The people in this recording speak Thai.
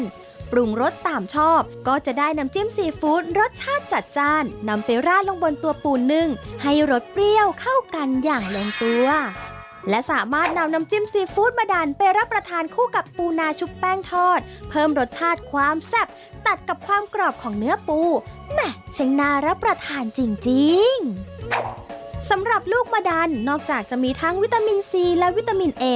ซึ่งปรุงรสตามชอบก็จะได้น้ำจิ้มซีฟู้ดรสชาติจัดจ้านนำไปราดลงบนตัวปูนึ่งให้รสเปรี้ยวเข้ากันอย่างลงตัวและสามารถนำน้ำจิ้มซีฟู้ดมาดันไปรับประทานคู่กับปูนาชุบแป้งทอดเพิ่มรสชาติความแซ่บตัดกับความกรอบของเนื้อปูแหม่ช่างน่ารับประทานจริงจริงสำหรับลูกมะดันนอกจากจะมีทั้งวิตามินซีและวิตามินเอ